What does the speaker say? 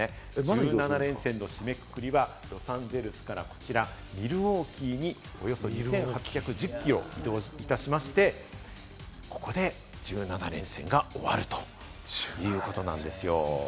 １７連戦の締めくくりはロサンゼルスからこちらミルウォーキーにおよそ２８１０キロ移動いたしまして、ここで１７連戦が終わるということなんですよ。